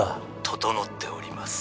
整っております。